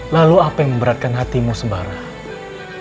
lalu apa yang memberatkan hatimu sebarang